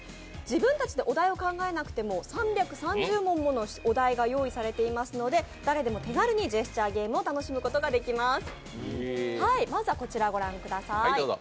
自分たちでお題を考えなくても３３０問のお題が用意されていますので、誰でも手軽にジェスチャーゲームを楽しむことができます。